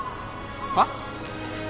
はっ？